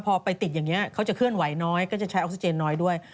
พอไปติดอย่างนี้เขาจะเคลื่อนไหวน้อยก็จะใช้ออกซิเจนน้อยด้วย